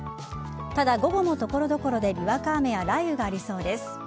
ただ、午後も所々でにわか雨や雷雨がありそうです。